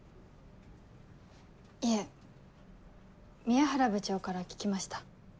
いえ宮原部長から聞きました。